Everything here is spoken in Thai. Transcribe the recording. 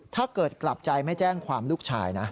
ถ้าเกิดกลับใจไม่แจ้งความลูกชายนะ